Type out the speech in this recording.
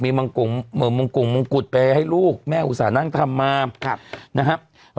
มีมังกุ่งมังกุ่งมังกุดไปให้ลูกแม่อุตส่านั่งทำมาครับนะครับ